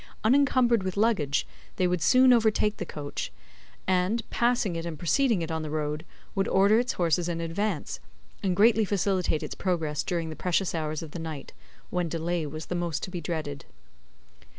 Unencumbered with luggage, they would soon overtake the coach, and, passing it and preceding it on the road, would order its horses in advance, and greatly facilitate its progress during the precious hours of the night, when delay was the most to be dreaded.